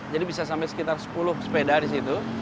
jadi bisa sampai sekitar sepuluh sepeda disitu